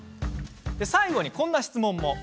最後に、こんな質問も。